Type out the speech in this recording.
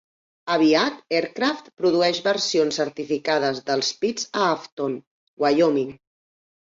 Aviat Aircraft produeix versions certificades dels Pitts a Afton, Wyoming.